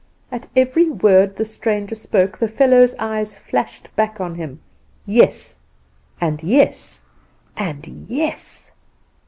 At every word the stranger spoke the fellow's eyes flashed back on him yes, and yes, and yes!